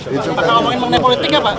kita ngomongin mengenai politik ya pak